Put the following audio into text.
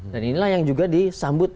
dan inilah yang juga disambut